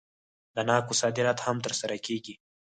د ناکو صادرات هم ترسره کیږي.